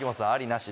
なし？